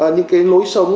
những cái lối sống